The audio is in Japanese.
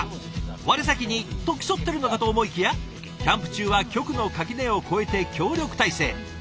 我先に！と競ってるのかと思いきやキャンプ中は局の垣根を超えて協力体制。